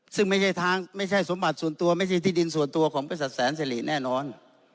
ซึ่งไม่ใช่ทางไม่ใช่สมบัติส่วนตัวไม่ใช่ที่ดินส่วนตัวของบริษัทแสนสิริแน่นอน